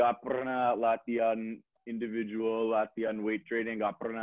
ga pernah latihan individual latihan weight training ga pernah